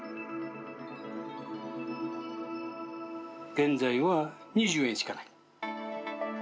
現在は２０円しかない。